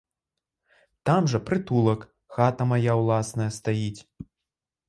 Там жа прытулак, хата мая ўласная стаіць.